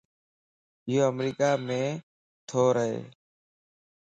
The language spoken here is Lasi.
ايو امريڪا مَ تورهه